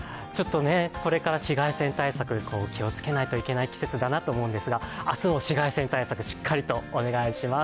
これから紫外線対策、気をつけないといけない季節だなと思うんですが、明日も紫外線対策、しっかりとお願いします。